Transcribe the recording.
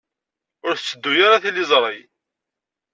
Ur tetteddu ara tliẓri.